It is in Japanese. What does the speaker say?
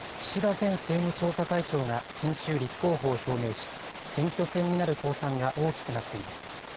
前政務調査会長が先週立候補を表明し、選挙戦になる公算が大きくなっています。